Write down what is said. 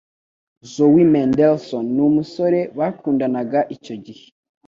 Zoe Mendelson n'umusore bakundanaga icyo gihe.